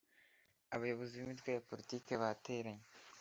Abayobozi b’Imitwe ya Politiki bateranye